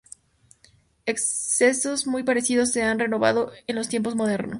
Excesos muy parecidos se han renovado en los tiempos modernos.